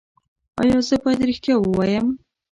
ایا زه باید ریښتیا ووایم؟